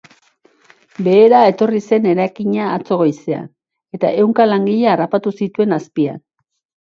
Behera etorri zen eraikina atzo goizean, eta ehunka langile harraptu zituen azpian.